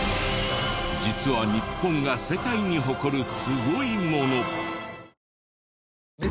実は日本が世界に誇るすごいもの。